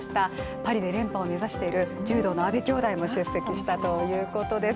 パリで連覇を目指している柔道の阿部きょうだいも出席したということです。